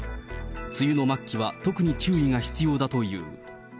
梅雨の末期は特に注意が必要だという。